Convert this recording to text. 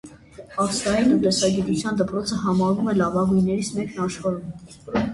Ավստրիայի տնտեսագիտության դպրոցը համարվում է լավագույններից մեկն աշխարհում։